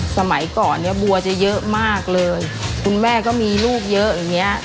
สมัยก่อนเนี้ยบัวจะเยอะมากเลยคุณแม่ก็มีลูกเยอะอย่างเงี้ย